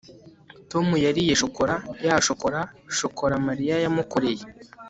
tom yariye shokora ya shokora shokora mariya yamukoreye